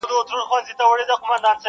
اې په خوب ویده ماشومه!؟!.